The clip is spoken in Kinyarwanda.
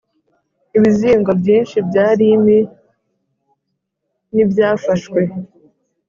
Ibizingo byinshi bya limi n ibyafashwe